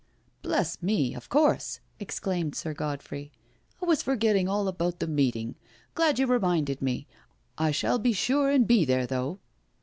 " Bless me, of course I" exclaimed Sir Godfrey. " I was forgetting all about that meeting— glad you re minded me. I shall be sure and be there though."